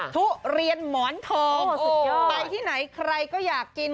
ทุเรียนหมอนทองสุดไปที่ไหนใครก็อยากกิน